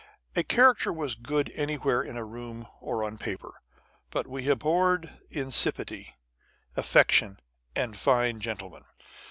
A character was good anywhere, in a room or on paper. But we abhorred insipidity, affectation, and fine gentlemen.